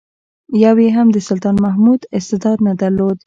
یو یې هم د سلطان محمود استعداد نه درلود.